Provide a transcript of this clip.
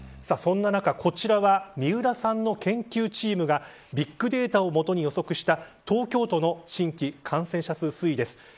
そんな中、こちらは三浦さんの研究チームがビッグデータをもとに予測した東京都の新規感染者数推移です。